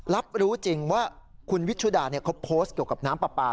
รับรู้จริงว่าคุณวิชุดาเขาโพสต์เกี่ยวกับน้ำปลาปลา